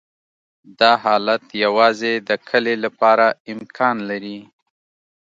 دا حالت یوازې د کلې لپاره امکان لري